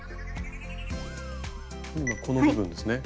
この部分ですね。